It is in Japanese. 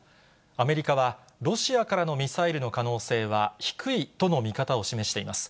アメリカはロシアからのミサイルの可能性は低いとの見方を示しています。